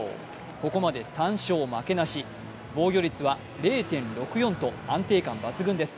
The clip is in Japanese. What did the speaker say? ここまで３勝負けなし防御率は０．６４と安定感抜群です。